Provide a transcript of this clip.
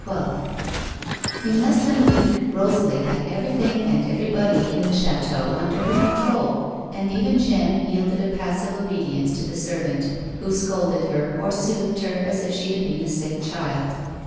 215 XIL In less than a week Rosalie had everything and every body in the chateau under her control, and even Jeanne yielded a passive obedience to the servant who scolded her or soothed her as if she had been a sick child.